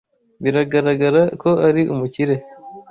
Biragaragara ko ari umukire.